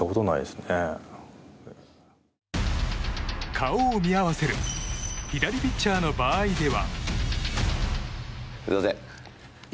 顔を見合わせる左ピッチャーの場合では。